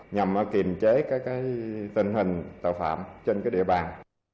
nhằm kiềm chế tình hình tàu phạm trên địa bàn